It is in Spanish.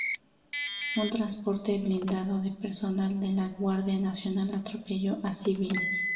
Un transporte blindado de personal de la Guardia Nacional atropelló a civiles.